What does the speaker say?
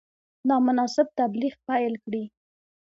نامناسب تبلیغ پیل کړي.